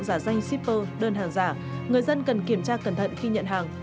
giả danh shipper đơn hàng giả người dân cần kiểm tra cẩn thận khi nhận hàng